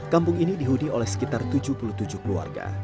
kampung ini dihuni oleh sekitar tujuh puluh tujuh keluarga